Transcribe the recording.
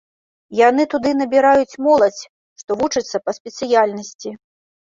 Яны туды набіраюць моладзь, што вучацца па спецыяльнасці.